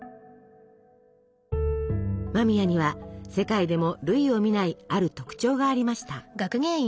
間宮には世界でも類を見ないある特徴がありました。